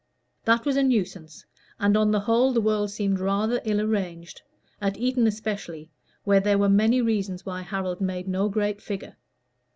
That was a nuisance; and on the whole the world seemed rather ill arranged, at Eton especially, where there were many reasons why Harold made no great figure.